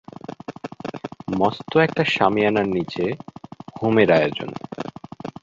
মস্ত একটা শামিয়ানার নীচে হোমের আয়োজন।